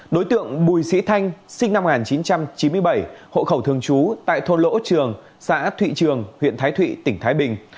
đối tượng bùi sĩ thanh sinh năm một nghìn chín trăm chín mươi bảy hộ khẩu thường trú tại thôn lỗ trường xã thụy trường huyện thái thụy tỉnh thái bình